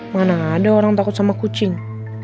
mana ada orang takut sama kucing